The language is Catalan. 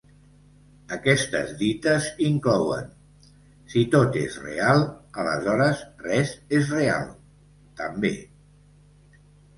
Aquestes dites inclouen: Si tot és real... aleshores res és real, també.